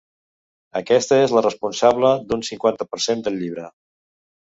Aquesta és la responsable d'un cinquanta per cent del llibre.